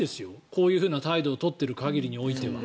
こういうふうな態度を取っている限りにおいては。